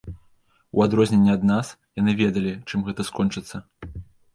У адрозненне ад нас, яны ведалі, чым гэта скончыцца.